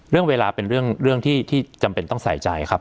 เรื่องเวลาเป็นเรื่องที่จำเป็นต้องใส่ใจครับ